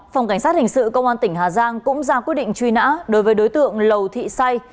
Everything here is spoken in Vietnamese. phòng cảnh sát hình sự công an tỉnh hà giang cũng ra quyết định truy nã đối với đối tượng lầu thị say